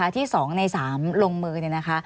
ที่๒ใน๓ลงมือ